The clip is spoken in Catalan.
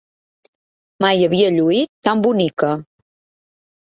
Mai havia lluït tan bonica.